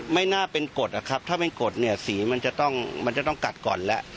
ไม่น่าเป็นกฎครับถ้าเป็นกฎสีมันจะต้องกัดก่อนแล้ว